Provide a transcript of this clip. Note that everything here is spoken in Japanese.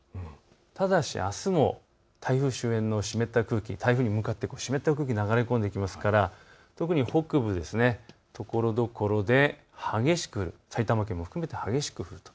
ただし、あすも台風周辺の湿った空気、台風に向かって湿った空気が流れ込んできますから特に北部、ところどころで激しく埼玉県も含めて激しく降ると。